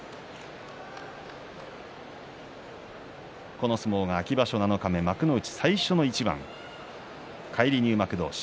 この相撲が秋場所七日目幕内最初の一番返り入幕同士。